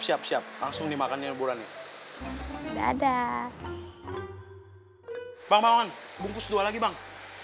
siap siap langsung dimakan yang burang ya dadah bang bang bungkus dua lagi bang